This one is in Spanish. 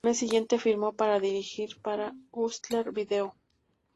El mes siguiente, firmo para dirigir para Hustler Vídeo.